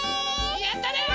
やったね！